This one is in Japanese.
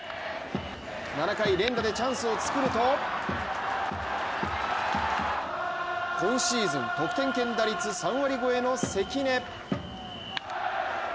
７回、連打でチャンスを作ると今シーズン得点圏打率３割超えの関根。